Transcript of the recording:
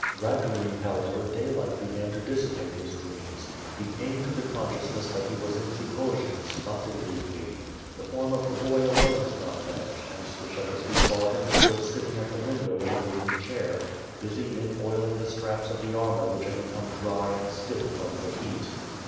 Gradually, however, daylight began to dissipate his dreams; he came to the consciousness that he was in Sukhojints, not in Lubni — ^the form of the boy alone did not vanish and Skshetuski saw him still sitting at the window in a wooden chair, busied in oiling the straps of the armor which had be come dry and stiff from the heat.